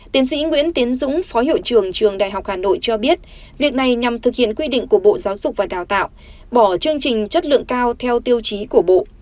tiến sĩ nguyễn tiến dũng phó hiệu trường trường đại học hà nội cho biết việc này nhằm thực hiện quy định của bộ giáo dục và đào tạo bỏ chương trình chất lượng cao theo tiêu chí của bộ